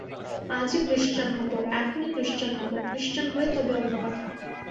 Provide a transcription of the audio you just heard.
আজই ক্রিশ্চান হব, এখনই ক্রিশ্চান হব, ক্রিশ্চান হয়ে তবে অন্য কথা।